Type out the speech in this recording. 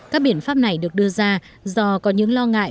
các biện pháp này được đưa ra do có những lo ngại